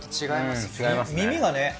違いますね。